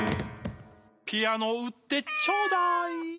ピアノ売ってちょうだい！